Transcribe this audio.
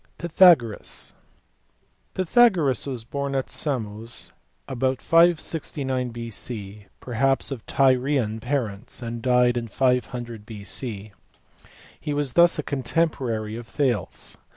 Pythagoras*. Pythagoras was born at Samos about 569 B.C., perhaps of Tyrian parents, and died in 500 B.C. He was thus a contemporary of Thales.